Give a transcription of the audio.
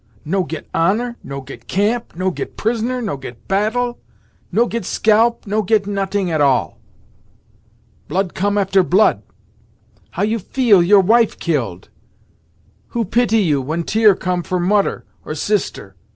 No get honour no get camp no get prisoner no get battle no get scalp no get not'ing at all! Blood come after blood! How you feel, your wife killed? Who pity you, when tear come for moder, or sister?